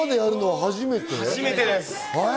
初めてです。